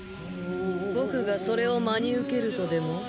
僕がそれを真に受けるとでも？